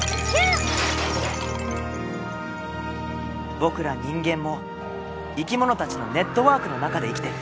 僕ら人間も生き物たちのネットワークの中で生きてる。